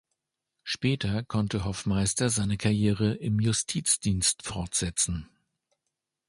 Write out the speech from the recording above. Später konnte Hoffmeister seine Karriere im Justizdienst fortsetzen.